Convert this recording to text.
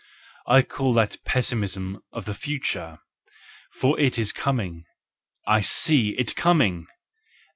I call that pessimism of the future,—for it is coming! I see it coming!